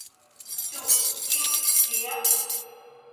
Ĉu iu scias?